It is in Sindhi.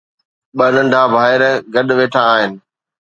ٻه ننڍا ڀائر گڏ ويٺا آهن